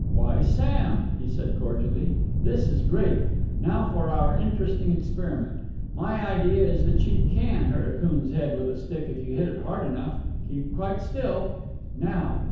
"Why, Sam!" he said cordially, "this is great. Now for our interesting experiment. My idea is that you can hurt a coon's head with a stick if you hit it hard enough. Keep quite still. Now.